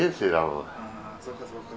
そっかそっか。